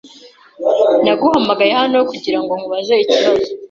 Naguhamagaye hano kugirango nkubaze ikibazo.